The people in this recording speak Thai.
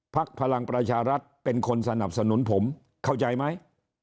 พลังประชารัฐเป็นคนสนับสนุนผมเข้าใจไหม